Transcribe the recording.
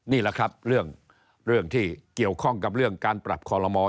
นี่แหละครับเรื่องที่เกี่ยวข้องกับเรื่องการปรับคอลโลมอล